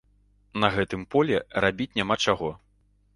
На гэтым полі рабіць няма чаго.